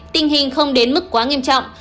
tình hình không đến mức quá nghiêm trọng